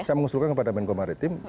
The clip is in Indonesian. saya mengusulkan kepada menko maritim